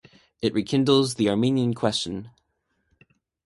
It rekindles the Armenian Question.